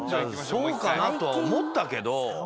そうかなとは思ったけど。